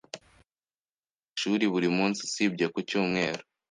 Tujya ku ishuri buri munsi usibye ku cyumweru.